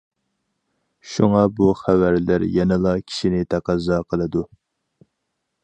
شۇڭا بۇ خەۋەرلەر يەنىلا كىشىنى تەقەززا قىلىدۇ.